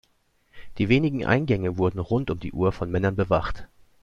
Die wenigen Eingänge wurden rund um die Uhr von Männern bewacht.